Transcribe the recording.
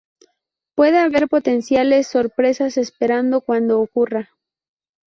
Puede haber potenciales sorpresas esperando cuando ocurra.